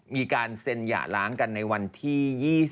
มีการเซ็นหย่าล้างกันในวันที่๒๒